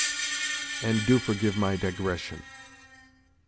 And do forgive my digression.